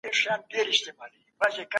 موږ د خپل ذهن په ارام ساتلو بوخت یو.